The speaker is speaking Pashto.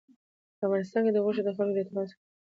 په افغانستان کې غوښې د خلکو له اعتقاداتو سره دي.